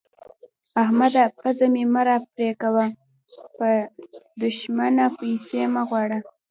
احمده! پزه مې مه راپرې کوه؛ به دوښمنه پيسې مه غواړه.